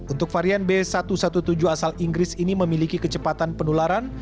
untuk varian b satu satu tujuh asal inggris ini memiliki kecepatan penularan